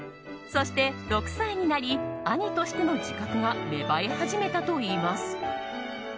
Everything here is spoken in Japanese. そして、６歳になり兄としての自覚が芽生え始めたといいます。